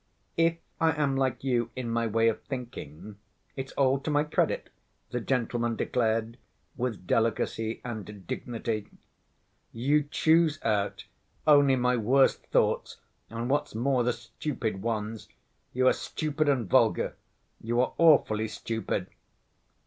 "If I am like you in my way of thinking, it's all to my credit," the gentleman declared, with delicacy and dignity. "You choose out only my worst thoughts, and what's more, the stupid ones. You are stupid and vulgar. You are awfully stupid.